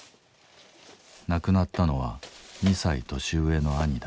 亡くなったのは２歳年上の兄だ。